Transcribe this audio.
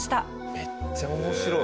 めっちゃ面白い。